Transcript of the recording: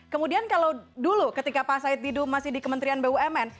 kemudian kalau dulu ketika pak said didu masih di kementerian bumn